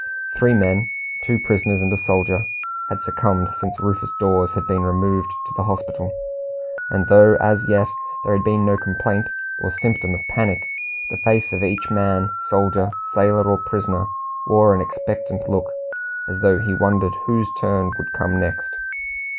Three men two prisoners and a soldier had succumbed since Rufus Dawes had been removed to the hospital; and though as yet there had been no complaint or symptom of panic, the face of each man, soldier, sailor, or prisoner, wore an expectant look, as though he wondered whose turn would come next.